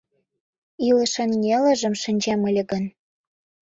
Илышын нелыжым шинчем ыле гын